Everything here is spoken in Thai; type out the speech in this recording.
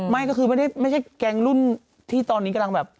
ไม่ก็คือไม่ใช่แก๊งรุ่นที่ตอนนี้กำลังแบบ